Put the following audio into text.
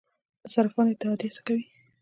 د صرافانو اتحادیه څه کوي؟